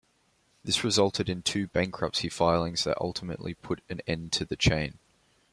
This resulted in two bankruptcy filings that ultimately put an end to the chain.